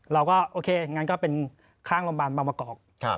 เราก็โอเคงั้นก็เป็นข้างโรงพยาบาลบางมะกอก